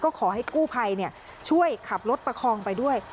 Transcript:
ขอให้กู้ภัยช่วยขับรถประคองไปด้วย